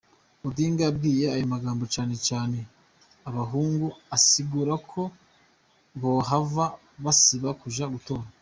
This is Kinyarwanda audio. Odinga yabwiye ayo majambo cane cane abahungu asigura ko bohava basiba kuja gutora.